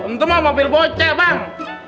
untung mah mobil bocah bang